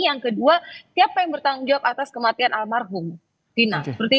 yang kedua siapa yang bertanggung jawab atas kematian almarhum tina